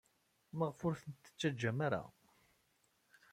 Maɣef ur ten-tettaǧǧamt ara?